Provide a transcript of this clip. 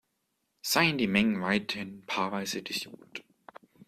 Seien die Mengen weiterhin paarweise disjunkt.